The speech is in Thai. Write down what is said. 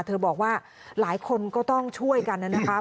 เธอบอกว่าหลายคนก็ต้องช่วยกันนั้นนะคะ